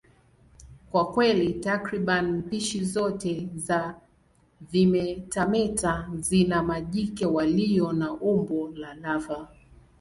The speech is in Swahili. Kwa kweli, takriban spishi zote za vimetameta zina majike walio na umbo la lava.